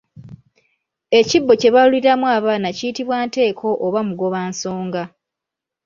Ekibbo kye baaluliramu abaana kiyitibwa Nteeko oba Mugobansonga.